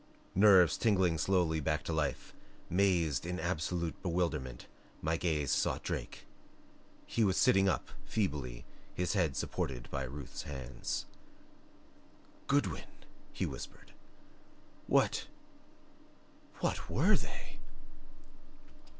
Nerves tingling slowly back to life, mazed in absolute bewilderment, my gaze sought Drake. He was sitting up, feebly, his head supported by Ruth's hands. "Goodwin!" he whispered. "What what were they?"